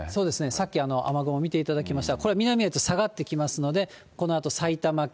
さっき雨雲見ていただきましたが、これが南へと下がってきますので、このあと埼玉県、